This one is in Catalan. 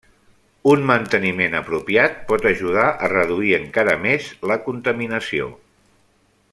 Un manteniment apropiat pot ajudar a reduir encara més la contaminació.